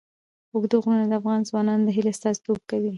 اوږده غرونه د افغان ځوانانو د هیلو استازیتوب کوي.